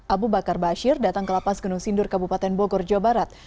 abu bakar bashir datang ke lapas gunung sindur kabupaten bogor jawa barat